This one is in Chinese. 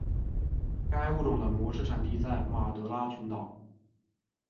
该物种的模式产地在马德拉群岛。